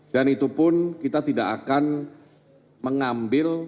dan itu pun kita tidak akan mengambil